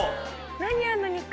何あの肉。